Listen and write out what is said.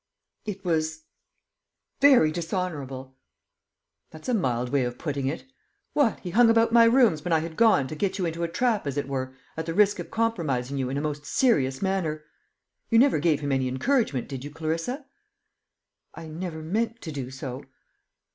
"It was very dishonourable!" "That's a mild way of putting it. What! he hung about my rooms when I had gone, to get you into a trap, as it were, at the risk of compromising you in a most serious manner! You never gave him any encouragement, did you, Clarissa?" "I never meant to do so."